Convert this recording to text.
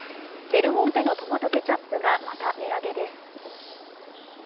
デルモンテのトマトケチャップがまた値上げです。